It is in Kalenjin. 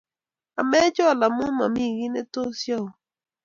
Amechol amu momii kiy netos yaun